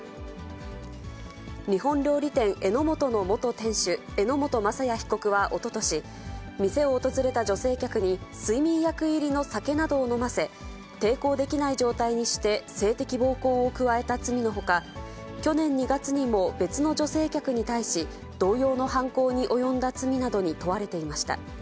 日本料理店、榎本の元店主、榎本正哉被告はおととし、店を訪れた女性客に、睡眠薬入りの酒などを飲ませ、抵抗できない状態にして性的暴行を加えた罪のほか、去年２月にも、別の女性客に対し、同様の犯行に及んだ罪などに問われていました。